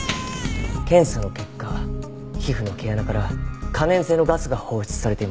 検査の結果皮膚の毛穴から可燃性のガスが放出されていました。